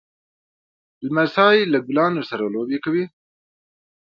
لمسی له ګلانو سره لوبې کوي.